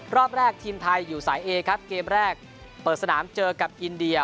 รอบแรกทีมไทยอยู่สายเอครับเกมแรกเปิดสนามเจอกับอินเดีย